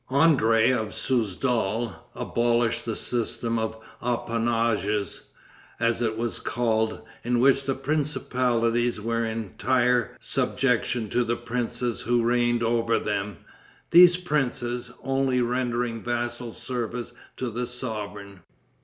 André, of Souzdal, abolished the system of appanages, as it was called, in which the principalities were in entire subjection to the princes who reigned over them, these princes only rendering vassal service to the sovereign.